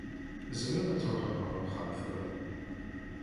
Tzemrem ad tṛuḥem ar wexxam tura.